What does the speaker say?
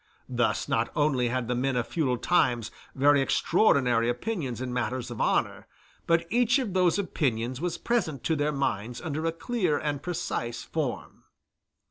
Thus not only had the men of feudal times very extraordinary opinions in matters of honor, but each of those opinions was present to their minds under a clear and precise form.